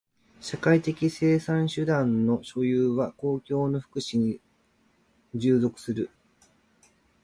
社会的生産手段の所有は公共の福祉に従属する。